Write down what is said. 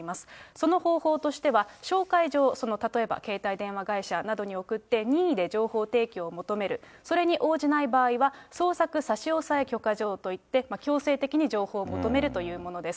その方法としては、照会書、例えば、携帯電話会社などに送って、任意で情報提供を求める、それに応じない場合は、捜索差押許可状といって、強制的に情報を求めるというものです。